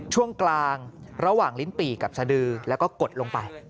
ช่วงกลางระหว่างลิ้นปี่กับสดือแล้วก็กดลงไป